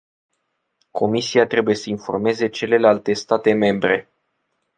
Comisia trebuie să informeze celelalte state membre.